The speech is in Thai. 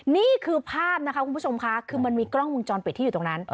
นี่คือภาพนะคะคุณผู้ชมค่ะคือมันมีกล้องวงจรปิดที่อยู่ตรงนั้น